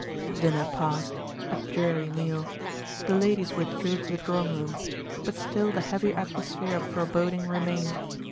Dinner passed, a dreary meal; the ladies withdrew to the drawing room; but still the heavy atmosphere of foreboding remained.